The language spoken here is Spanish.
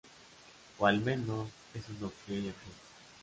O al menos, eso es lo que ella cree...